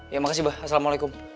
ya makasih ba assalamualaikum